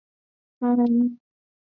已经全部结冰